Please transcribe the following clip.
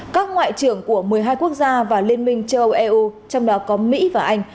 các ngoại trưởng của một mươi hai quốc gia và liên minh châu âu eu trong đó có mỹ và anh